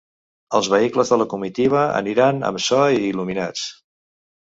Els vehicles de la comitiva aniran amb so i il·luminats.